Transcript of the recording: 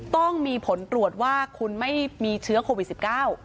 ต้องมีผลตรวจว่าคุณไม่มีเชื้อโควิดสิบเก้า